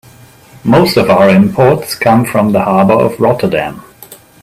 Most of our imports come from the harbor of Rotterdam.